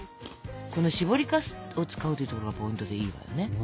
このしぼりかすを使うというところがポイントでいいわよね。